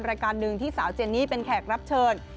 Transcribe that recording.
รายการหนึ่งที่สาวเจนนี่เป็นแขกรับเชิญ